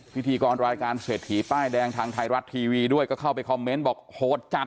พิธีกรรายการเศรษฐีป้ายแดงทางไทยรัฐทีวีด้วยก็เข้าไปคอมเมนต์บอกโหดจัด